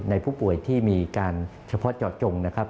ในผู้ป่วยที่มีการเฉพาะเจาะจงนะครับ